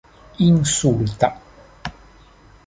insulta